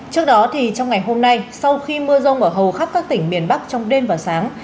trước đó thì trong ngày hôm nay sau khi mưa rông ở hầu khắp các tỉnh miền bắc trong đêm và sáng